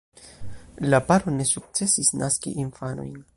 La paro ne sukcesis naski infanojn.